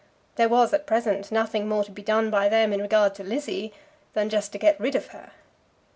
There was at present nothing more to be done by them in regard to Lizzie, than just to get rid of her.